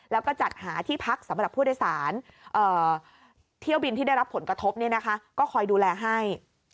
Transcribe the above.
แล้วก็จัดหาที่พักสำหรับผู้โดยสารเที่ยวบินที่ได้รับผลกระทบก็คอยดูแลให้